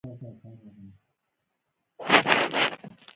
پخوانیو خلکو د سوداګریزو اړتیاوو له مخې حرکت کاوه